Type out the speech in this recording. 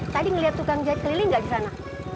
tadi ngeliat tukang jahit keliling nggak di sana